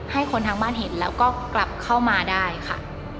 ให้คนทางบ้านเห็นแล้วก็กลับเข้ามาได้ค่ะ